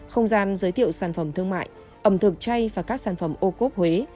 không gian giới thiệu sản phẩm thương mại ẩm thực chay và các sản phẩm ô cốp huế